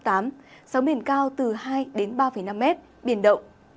giao động cao từ hai ba năm m biển động